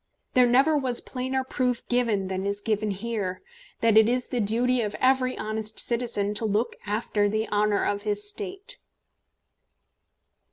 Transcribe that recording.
There never was plainer proof given than is given here, that it is the duty of every honest citizen to look after the honour of his State."